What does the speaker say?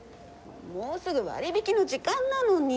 もうすぐ割引の時間なのに！